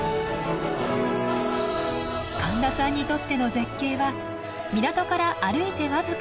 神田さんにとっての絶景は港から歩いて僅か５分で行ける